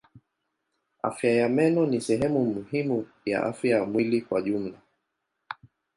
Afya ya meno ni sehemu muhimu ya afya ya mwili kwa jumla.